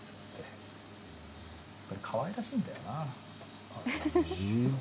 これ、かわいらしいんだよな。